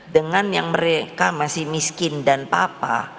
dengan yang mereka masih miskin dan papa